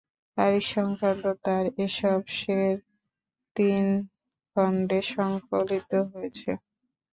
তারিখসংক্রান্ত তাঁর এসব শে’র তিন খন্ডে সংকলিত হয়েছে।